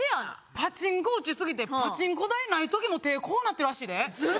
パチンコ打ち過ぎてパチンコ台ない時も手こうなってるらしいで。